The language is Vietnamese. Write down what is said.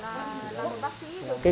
em bảo là làm bác sĩ